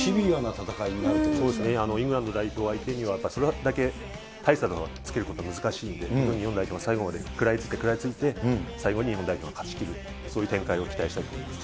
そうですね、イングランド代表相手には、やっぱりそれだけ大差をつけることは難しいので、日本代表が最後まで食らいついて、最後に日本代表が勝ちきる、そういう展開を期待したいと思います。